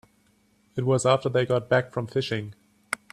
It was after they got back from fishing.